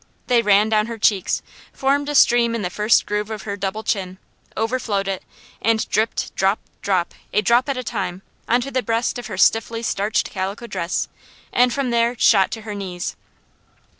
They ran down her cheeks, formed a stream in the first groove of her double chin, overflowed it, and dripped drop, drop, a drop at a time, on the breast of her stiffly starched calico dress, and from there shot to her knees.